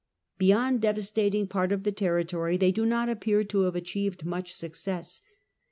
Beyond devastating part of the territory they do not appear to have achieved much success.